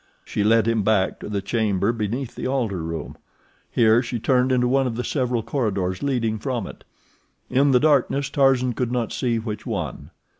She led him back to the chamber beneath the altar room. Here she turned into one of the several corridors leading from it. In the darkness Tarzan could not see which one.